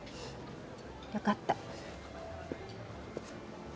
よかった。